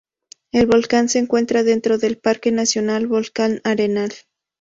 El volcán se encuentra dentro de el Parque nacional Volcán Arenal.